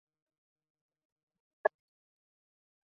富宁薹草是莎草科薹草属的植物。